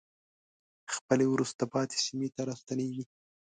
خپلې وروسته پاتې سیمې ته راستنېږي.